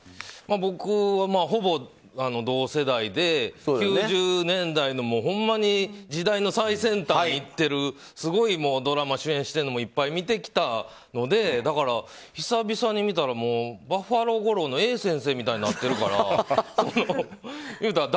僕はほぼ同世代で、９０年代のほんまに時代の最先端を行っているすごい、ドラマ主演してるのもいっぱい見てきたのでだから、久々に見たらバッファロー吾郎のＡ先生みたいになっているから。